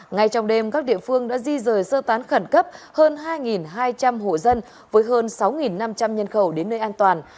ngay trong đêm các địa phương đã di rời sơ tán khẩn cấp hơn hai hai trăm linh hộ dân với hơn sáu năm trăm linh nhân khẩu đến nơi an toàn